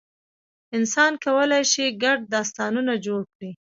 انسان کولی شي ګډ داستانونه جوړ کړي.